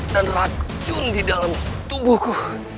dan racun di dalam tubuhku